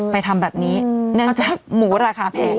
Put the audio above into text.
ทำแบบนี้เนื่องจากหมูราคาแพง